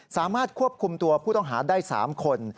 สามารถควบคุมตัวผู้ต้องหาได้๓คน